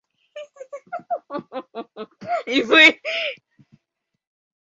Myers still the standard for Kansas girls